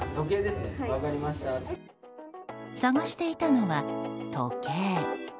探していたのは時計。